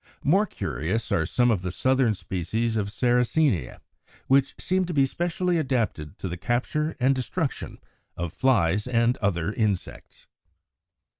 More curious are some of the southern species of Sarracenia, which seem to be specially adapted to the capture and destruction of flies and other insects.